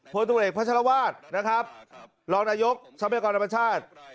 โพธิตุกริกพระชรวาสนะครับรองนายกชมกรรมชาติ